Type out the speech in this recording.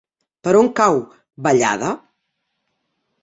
Per on cau Vallada?